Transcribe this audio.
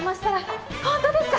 本当ですか？